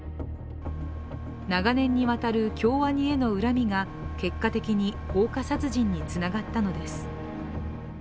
長年にわたる京アニへの恨みが結果的に放火殺人につながったのです。